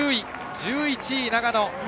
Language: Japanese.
１１位、長野。